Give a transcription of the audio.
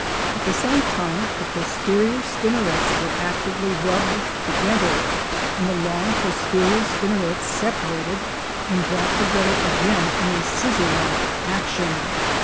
At the same time the posterior spinnerets were actively rubbed together and the long posterior spinnerets separated and brought together again with a scissor like action.